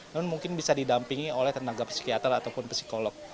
namun mungkin bisa didampingi oleh tenaga psikiater ataupun psikolog